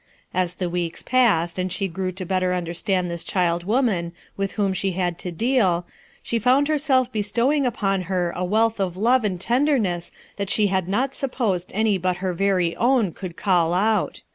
As the weeks passed and she grew to better understand this child woman with whom she had to deal, she found herself bestowing upon 2S2 RUTII ERSKINE'S SOX her a wealth of love and tenderness that she had not supposed any but her very own could call out.